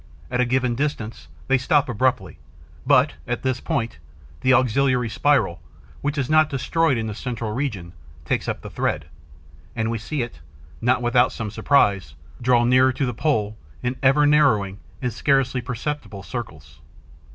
At a given distance, they stop abruptly; but, at this point, the auxiliary spiral, which is not destroyed in the central region, takes up the thread; and we see it, not without some surprise, draw nearer to the pole in ever narrowing and scarcely perceptible circles.